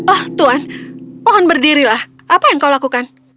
oh tuhan mohon berdirilah apa yang kau lakukan